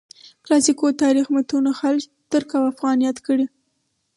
کلاسیکو تاریخي متونو خلج، ترک او افغان یاد کړي.